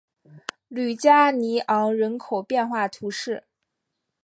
吕加尼昂人口变化图示